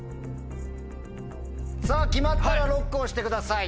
さぁ決まったらＬＯＣＫを押してください。